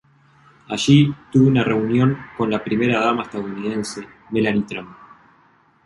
Allí, tubo una reunión con la primera dama estadounidense, Melania Trump.